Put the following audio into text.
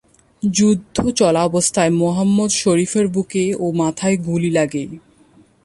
যুদ্ধ চলাবস্থায় মোহাম্মদ শরীফের বুকে ও মাথায় গুলি লাগে।